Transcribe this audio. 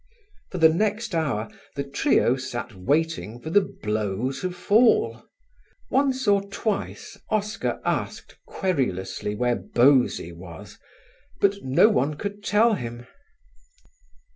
For the next hour the trio sat waiting for the blow to fall. Once or twice Oscar asked querulously where Bosie was, but no one could tell him.